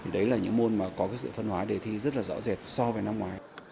đấy là những môn mà có sự phân hóa đề thi rất là rõ rệt so với năm ngoái